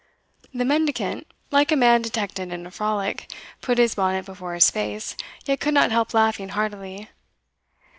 The mendicant, like a man detected in a frolic, put his bonnet before his face, yet could not help laughing heartily.